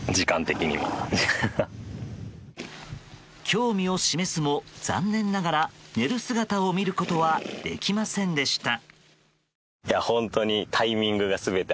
興味を示すも、残念ながら寝る姿を見ることはできませんでした。